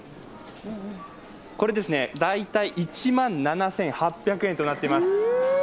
これで大体１万７８００円となっています。